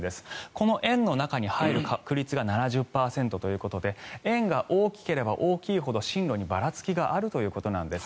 この円の中に入る確率が７０％ということで円が大きければ大きいほど進路にばらつきがあるということなんです。